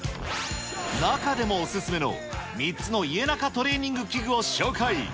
中でもお勧めの３つのイエナカトレーニング器具を紹介。